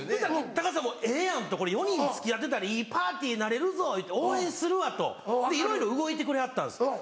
高橋さんも「ええやんこれ４人付き合ってたらいいパーティーになれるぞ応援するわ」といろいろ動いてくれはったんです